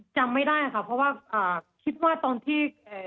จำไม่ได้ค่ะเพราะว่าคิดว่าตอนที่